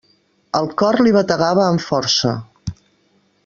El cor li bategava amb força.